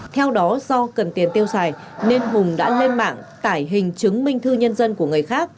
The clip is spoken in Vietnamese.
theo đó do cần tiền tiêu xài nên hùng đã lên mạng tải hình chứng minh thư nhân dân của người khác